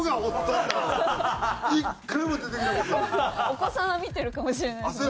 お子さんは見てるかもしれないです